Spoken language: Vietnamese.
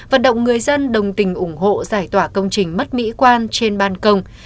vận động người dân đồng tình ủng hộ giải tỏa công trình mất mỹ quan trên ban công